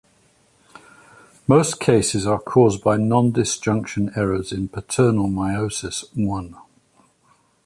Most cases are caused by nondisjunction errors in paternal meiosis I.